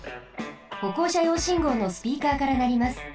ほこうしゃようしんごうのスピーカーからなります。